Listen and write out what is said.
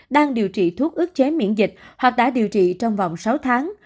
đang điều trị thuốc ức chế miễn dịch hoặc đã điều trị trong vòng sáu tháng